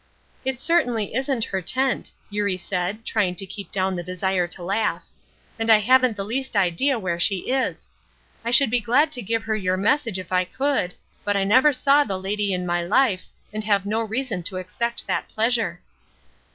"It certainly isn't her tent," Eurie said, trying to keep down the desire to laugh, "and I haven't the least idea where she is. I should be glad to give her your message if I could, but I never saw the lady in my life, and have no reason to expect that pleasure."